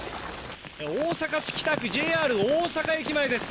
大阪市北区ＪＲ大阪駅前です。